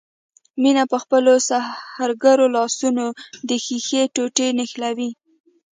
مينه په خپلو سحرګرو لاسونو د ښيښې ټوټې نښلوي.